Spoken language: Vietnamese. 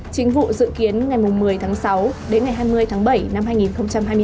chính vụ dự kiến ngày một mươi tháng sáu đến ngày hai mươi tháng bảy năm hai nghìn hai mươi bốn